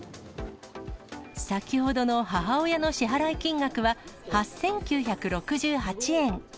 先ほどの母親の支払い金額は８９６８円。